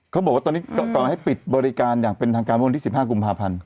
เขาบอกว่าตอนนี้ตอนให้ปิดบริการอย่างเป็นทางการบริการที่๑๕กุมภาพวัน